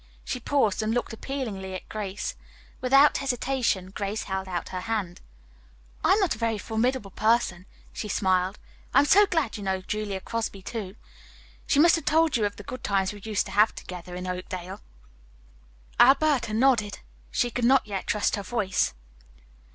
She paused and looked appealingly at Grace. Without hesitation Grace held out her hand. "I am not a very formidable person," she smiled. "I am so glad you know Julia Crosby, too. She must have told you of the good times we used to have together in Oakdale." Alberta nodded. She could not yet trust her voice.